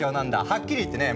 はっきり言ってね